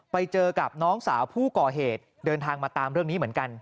ไปเจอกับน้องสาวผู้ก่อเหตุเดินทางมาตามเรื่องนี้เหมือนกัน